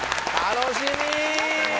楽しみ！